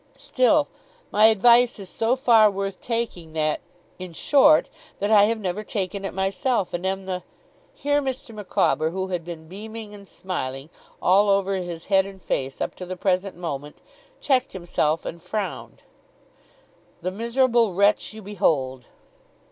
Still my advice is so far worth taking, that in short, that I have never taken it myself, and am the' here Mr. Micawber, who had been beaming and smiling, all over his head and face, up to the present moment, checked himself and frowned 'the miserable wretch you behold.